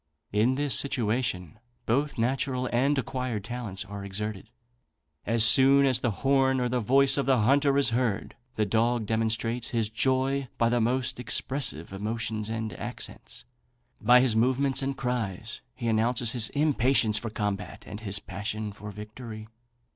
In this situation both natural and acquired talents are exerted. As soon as the horn or voice of the hunter is heard, the dog demonstrates his joy by the most expressive emotions and accents. By his movements and cries he announces his impatience for combat, and his passion for victory.